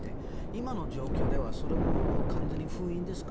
今の状況ではそれも完全に封印ですか？